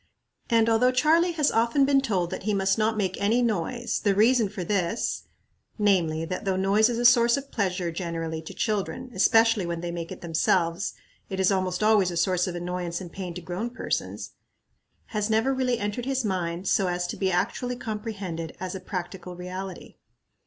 And although Charlie has often been told that he must not make any noise, the reason for this namely, that though noise is a source of pleasure, generally, to children, especially when they make it themselves, it is almost always a source of annoyance and pain to grown persons has never really entered his mind so as to be actually comprehended us a practical reality.